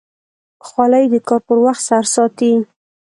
خولۍ د کار پر وخت سر ساتي.